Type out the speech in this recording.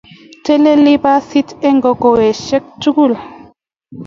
Teleli basit eng kokowoshek tugul